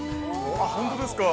◆本当ですか。